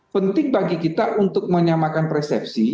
penting bagi kita untuk menyamakan persepsi